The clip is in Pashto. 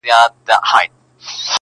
o چي سر دي نه خوږېږي، داغ مه پر ايږده.